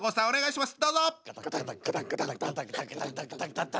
はいお願いします！